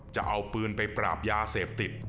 จะเอาปืนไปปราบยาเสพติด